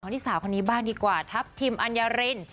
หน้านี่สาวที่บ้านดีกว่าทับทิมอัญญาริน